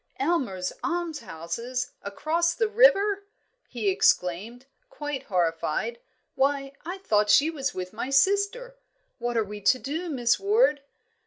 "Aylmer's Almshouses, across the river!" he exclaimed, quite horrified. "Why, I thought she was with my sister! What are we to do, Miss Ward?"